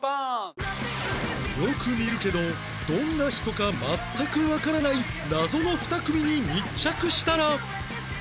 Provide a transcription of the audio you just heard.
よく見るけどどんな人か全くわからない謎の２組に密着したら